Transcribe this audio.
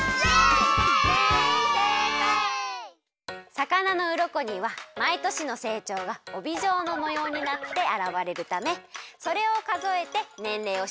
魚のうろこにはまいとしのせいちょうがおびじょうのもようになってあらわれるためそれをかぞえてねんれいをしらべることができるよ。